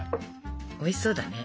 おいしそうだね。